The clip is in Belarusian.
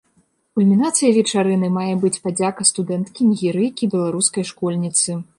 Кульмінацыяй вечарыны мае быць падзяка студэнткі-нігерыйкі беларускай школьніцы.